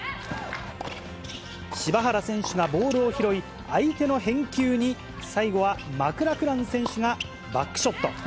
柴原選手がボールを拾い、相手の返球に、最後はマクラクラン選手がバックショット。